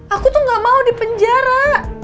aku tuh gak mau di penjara